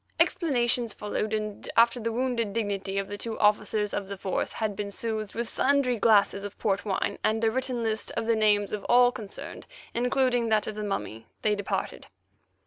Explanations followed, and after the wounded dignity of the two officers of the Force had been soothed with sundry glasses of port wine and a written list of the names of all concerned, including that of the mummy, they departed.